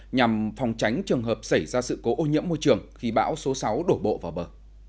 nhằm phòng tránh trường hợp xảy ra sự cố ô nhiễm môi trường khi bão số sáu đổ bộ vào bờ